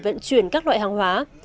vận chuyển các loại hàng hóa